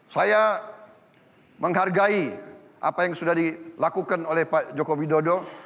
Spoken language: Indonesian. saya menghargai apa yang sudah dilakukan oleh pak joko widodo